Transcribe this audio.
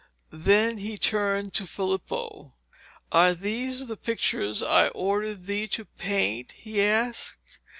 Then he turned to Filippo. 'Are these the pictures I ordered thee to paint?' he asked.